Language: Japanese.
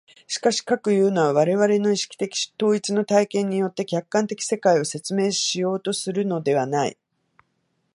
しかし、かくいうのは我々の意識的統一の体験によって客観的世界を説明しようとするのではない。